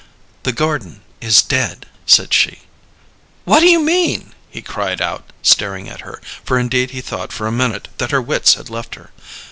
"The garden is dead," said she. "What do you mean?" he cried out, staring at her, for indeed he thought for a minute that her wits had left her.